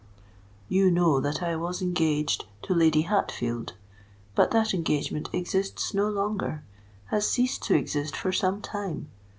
"You know that I was engaged to Lady Hatfield;—but that engagement exists no longer—has ceased to exist for some time!